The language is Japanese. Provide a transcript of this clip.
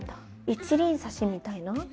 一輪挿しみたいな？